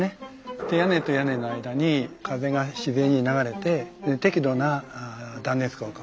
屋根と屋根の間に風が自然に流れて適度な断熱効果。